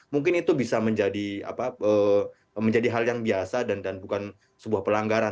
mungkin itu bisa menjadi hal yang biasa dan bukan sebuah pelanggaran